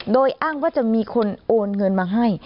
โดยอ้างว่าจะมีคนโอนเงินมาให้